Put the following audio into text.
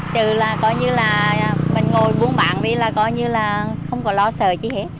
trừ là coi như là mình ngồi buông bảng đi là coi như là không có lo sợ chứ hết